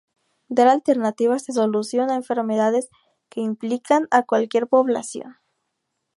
Dar alternativas de solución a enfermedades que implican a cualquier población.